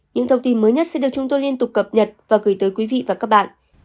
những thông tin mới nhất sẽ được chúng tôi liên tục cập nhật và gửi tới quý vị và các bạn